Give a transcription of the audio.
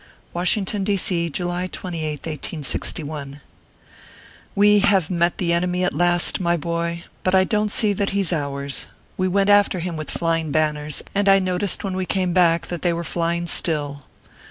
WASHINGTON, D. C., July 28th, 1861. We have met the enemy at last, my boy ; but I don t see that he s ours. We went after him with flying banners, and I noticed when we came back that they were flying still